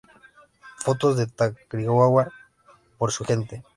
Fotos de Tacarigua por su gente.